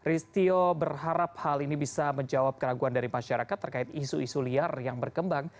ristio berharap hal ini bisa menjawab keraguan dari masyarakat terkait isu isu liar yang berkembang